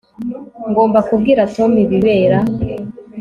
Ngomba kubwira Tom ibibera